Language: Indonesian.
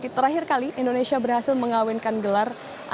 terakhir kali indonesia berhasil mengawinkan gelar